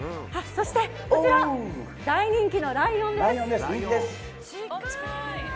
そして、こちら大人気のライオンです。